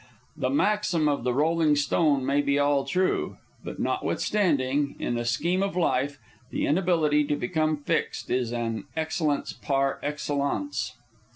The maxim of the rolling stone may be all true; but notwithstanding, in the scheme of life, the inability to become fixed is an excellence par excellence.